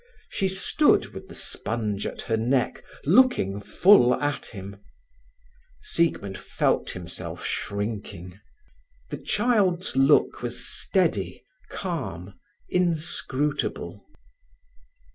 She stood, with the sponge at her neck, looking full at him. Siegmund felt himself shrinking. The child's look was steady, calm, inscrutable.